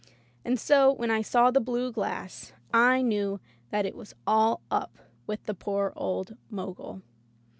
And so, when I saw the blue glass, I knew that it was all up with the poor old Mogul.